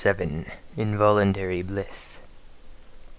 XLVII. INVOLUNTARY BLISS.